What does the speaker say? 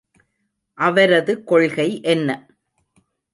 அவரது கொள்கை என்ன?